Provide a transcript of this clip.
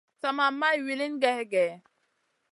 Sa ma maya wilin gey gèh.